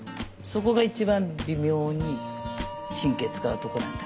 そこが一番微妙に神経使うとこなんだけど。